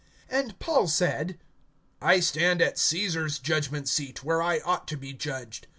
(10)And Paul said; I stand at Caesar's judgment seat, where I ought to be judged.